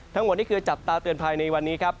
ทั้งหมดนี่คือจับตาเตือนภัยในวันนี้ครับ